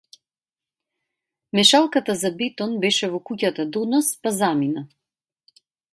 Мешалката за бетон беше во куќата до нас, па замина.